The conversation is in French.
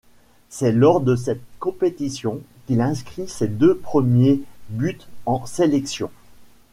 C'est lors de cette compétition qu'il inscrit ses deux premiers buts en sélection.